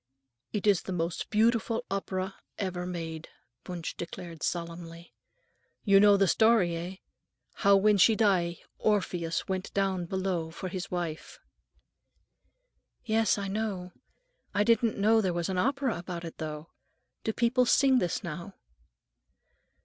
"It is the most beautiful opera ever made," Wunsch declared solemnly. "You know the story, eh? How, when she die, Orpheus went down below for his wife?" "Oh, yes, I know. I didn't know there was an opera about it, though. Do people sing this now?"